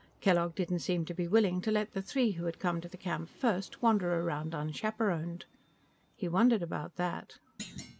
Kellogg didn't seem to be willing to let the three who had come to the camp first wander around unchaperoned. He wondered about that.